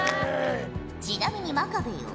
ちなみに真壁よ。